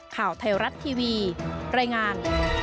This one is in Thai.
ข่าวไทยรัฐทีวีรายงาน